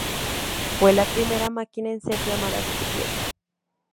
Fue la primera máquina en ser llamada "bicicleta".